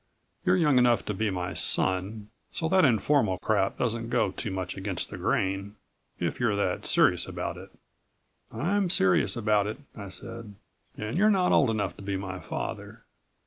You're young enough to be my son, so that informal crap doesn't go too much against the grain, if you're that serious about it." "I'm serious about it," I said. "And you're not old enough to be my father.